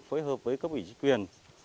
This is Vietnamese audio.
phối hợp với cấp ủy trí quyền